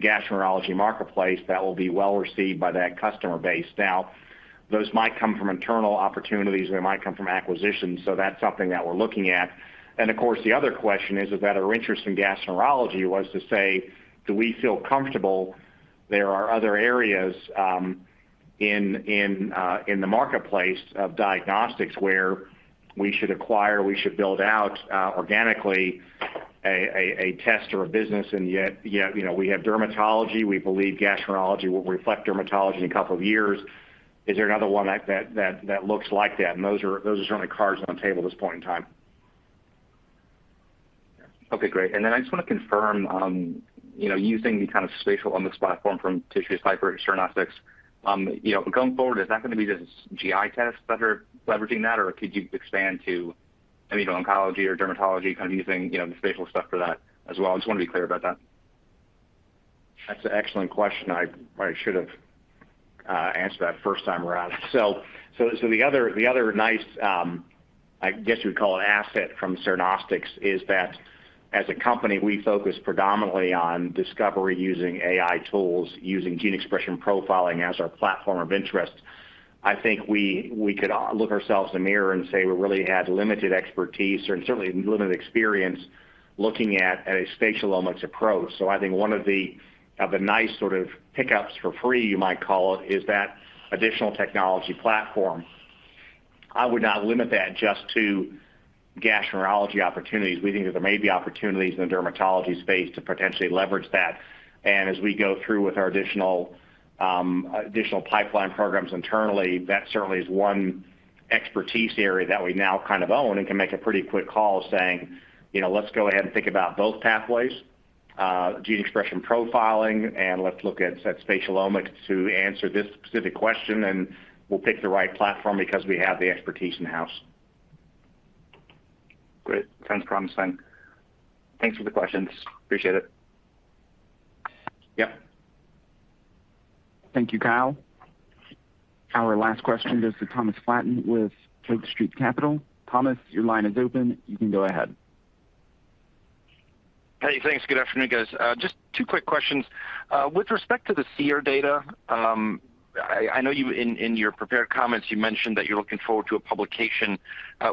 gastroenterology marketplace that will be well received by that customer base. Now, those might come from internal opportunities or they might come from acquisitions, so that's something that we're looking at. Of course, the other question is that our interest in gastroenterology was to say, do we feel comfortable there are other areas in the marketplace of diagnostics where we should acquire, we should build out organically a test or a business. Yet, you know, we have dermatology. We believe gastroenterology will reflect dermatology in a couple of years. Is there another one like that that looks like that? Those are certainly cards on the table at this point in time. Okay, great. Then I just wanna confirm, you know, using the kind of spatial omics platform from TissueCypher or Cernostics, you know, going forward, is that gonna be just GI tests that are leveraging that, or could you expand to immuno-oncology or dermatology kind of using, you know, the spatial stuff for that as well? I just wanna be clear about that. That's an excellent question. I should have answered that first time around. The other nice, I guess you would call it, asset from Cernostics is that as a company, we focus predominantly on discovery using AI tools, using gene expression profiling as our platform of interest. I think we could look ourselves in the mirror and say we really had limited expertise or certainly limited experience looking at a spatial omics approach. I think one of the nice sort of pickups for free, you might call it, is that additional technology platform. I would not limit that just to gastroenterology opportunities. We think that there may be opportunities in the dermatology space to potentially leverage that. As we go through with our additional pipeline programs internally, that certainly is one expertise area that we now kind of own and can make a pretty quick call saying, you know, "Let's go ahead and think about both pathways, gene expression profiling, and let's look at the spatial omics to answer this specific question, and we'll pick the right platform because we have the expertise in-house. Great. Sounds promising. Thanks for the questions. Appreciate it. Yep. Thank you, Kyle. Our last question goes to Thomas Flaten with Lake Street Capital. Thomas, your line is open. You can go ahead. Hey, thanks. Good afternoon, guys. Just two quick questions. With respect to the SEER data, I know in your prepared comments, you mentioned that you're looking forward to a publication.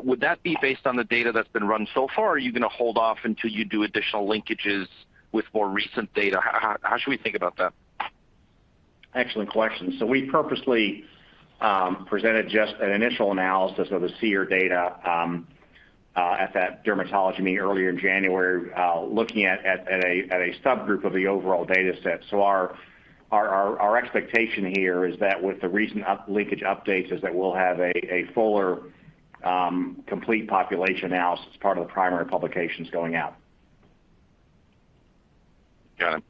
Would that be based on the data that's been run so far, or are you gonna hold off until you do additional linkages with more recent data? How should we think about that? Excellent question. We purposely presented just an initial analysis of the SEER data at that dermatology meeting earlier in January, looking at a subgroup of the overall data set. Our expectation here is that with the recent linkage updates, we'll have a fuller complete population analysis as part of the primary publications going out. Got it.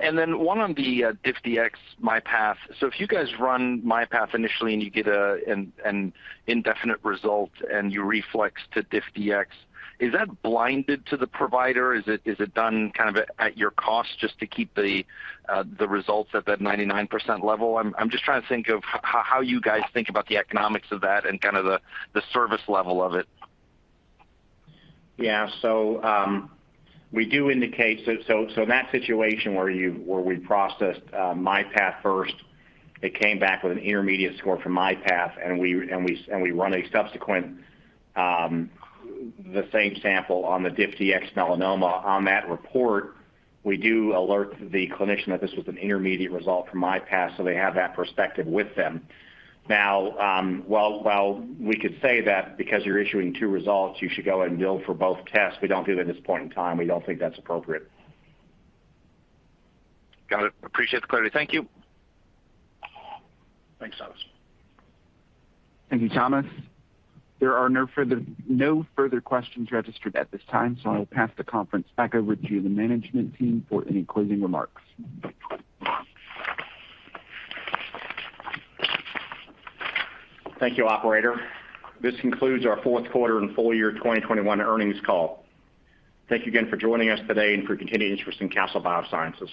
And then one on the DecisionDx DiffDx-Melanoma. If you guys run MyPath initially and you get an indefinite result and you reflex to DiffDx, is that blinded to the provider? Is it done kind of at your cost just to keep the results at that 99% level? I'm just trying to think of how you guys think about the economics of that and kind of the service level of it. In that situation where we processed MyPath first, it came back with an intermediate score for MyPath, and we run a subsequent, the same sample on the DiffDx-Melanoma. On that report, we do alert the clinician that this was an intermediate result from MyPath, so they have that perspective with them. Now, while we could say that because you are issuing two results, you should go and bill for both tests, we do not do that at this point in time. We do not think that is appropriate. Got it. Appreciate the clarity. Thank you. Thanks, Thomas. Thank you, Thomas. There are no further questions registered at this time, so I will pass the conference back over to the management team for any closing remarks. Thank you, operator. This concludes our fourth quarter and full year 2021 earnings call. Thank you again for joining us today and for your continued interest in Castle Biosciences.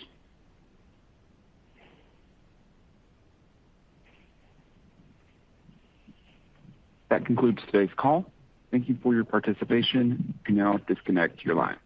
That concludes today's call. Thank you for your participation. You can now disconnect your line.